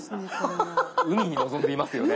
海に臨んでいますよね。